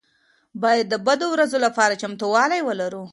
باید د بدو ورځو لپاره چمتووالی ولرو.